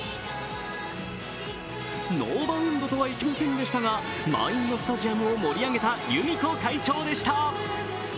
ノーバウンドとはいきませんでしたが満員のスタジアムを盛り上げた有美子会長でした。